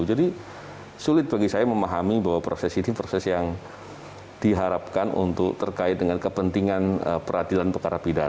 jadi sulit bagi saya memahami bahwa proses ini proses yang diharapkan untuk terkait dengan kepentingan peradilan pekerja bidang